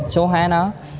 số hai nó